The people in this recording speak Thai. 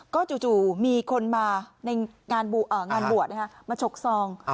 ก็จู่มีคนมาในงานบวชมาฉกซอง